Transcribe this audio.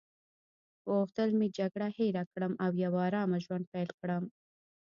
غوښتل مې جګړه هیره کړم او یو آرامه ژوند پیل کړم.